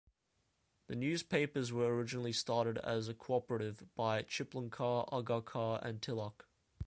The newspapers were originally started as a co-operative by Chiplunkar, Agarkar and Tilak.